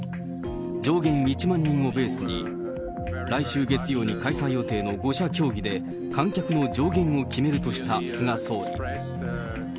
上限１万人をベースに、来週月曜に開催予定の５者協議で観客の上限を決めるとした菅総理。